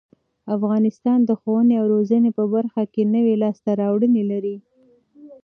افغانستان د ښوونې او روزنې په برخه کې نوې لاسته راوړنې لري.